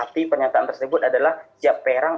arti pernyataan tersebut adalah siap perang